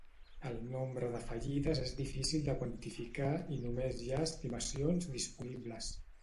El nombre de fallides és difícil de quantificar i només hi ha estimacions disponibles.